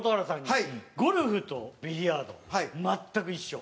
ゴルフとビリヤード全く一緒。